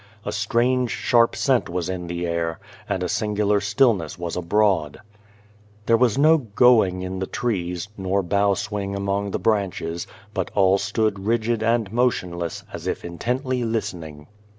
A strange, sharp scent was in the air, and a singular stillness was abroad. There was no " going " in the trees, nor bough swing among the branches, but all The Garden of God stood rigid and motionless as if intently listening.